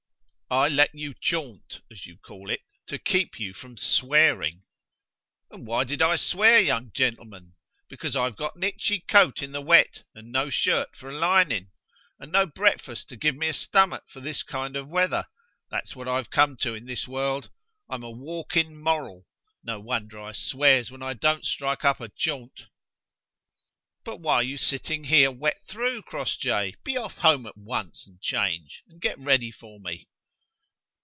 "I let you 'chaunt', as you call it, to keep you from swearing." "And why did I swear, young gentleman? because I've got an itchy coat in the wet, and no shirt for a lining. And no breakfast to give me a stomach for this kind of weather. That's what I've come to in this world! I'm a walking moral. No wonder I swears, when I don't strike up a chaunt." "But why are you sitting here wet through, Crossjay! Be off home at once, and change, and get ready for me."